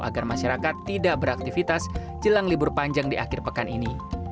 agar masyarakat tidak beraktivitas jelang libur panjang di akhir pekan ini